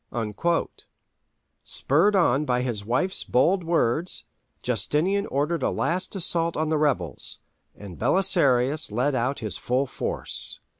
" Spurred on by his wife's bold words, Justinian ordered a last assault on the rebels, and Belisarius led out his full force.